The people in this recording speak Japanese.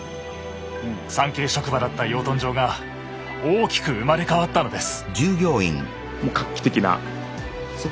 ３Ｋ職場だった養豚場が大きく生まれ変わったのです。